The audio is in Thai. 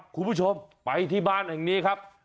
คุณผู้ชมไปที่บ้านแห่งนี้ครับ